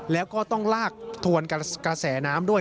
แล้วก็ต้องลากทวนกระแสน้ำด้วย